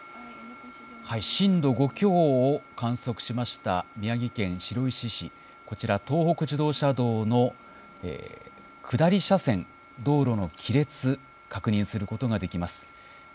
震度５強を観測しました、宮城県白石市、こちら、東北自動車道の下り車線、道路の亀裂、確認することができます。